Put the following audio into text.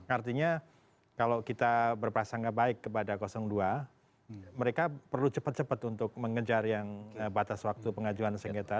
artinya kalau kita berpasangan baik kepada dua mereka perlu cepat cepat untuk mengejar yang batas waktu pengajuan sengketa